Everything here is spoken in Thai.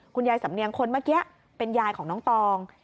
คุณยายสำเนียงคนเมื่อกี้เป็นยายของน้องตอง